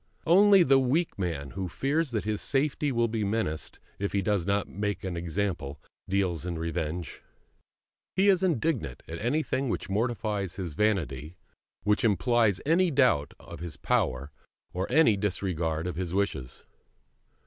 Only the weak man, who fears that his safety will be menaced if he does not make an example, deals in revenge. He is indignant at anything which mortifies his vanity, which implies any doubt of his power or any disregard of his wishes.